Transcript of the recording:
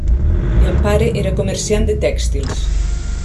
El pare era comerciant de tèxtils.